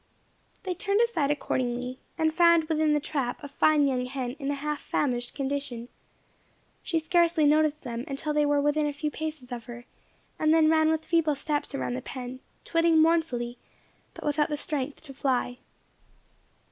They turned aside accordingly, and found within the trap a fine young hen in a half famished condition. She scarcely noticed them until they were within a few paces of her, and then ran with feeble steps around the pen, twitting mournfully, but without strength to fly.